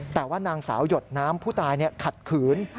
แต่ว่านางสาวหยดน้ำผู้ตายขัดขืน